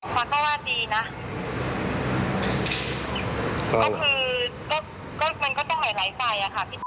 ก็จะบอกถอยแล้วว่าว่าไม่อยากจะไป